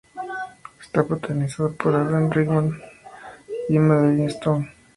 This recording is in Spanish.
Está protagonizada por Alan Rickman y Madeleine Stowe.